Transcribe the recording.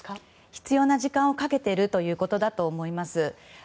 必要な時間をかけているということだと思います。